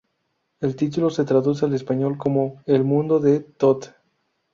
El título se traduce al español como "El mundo de Todd".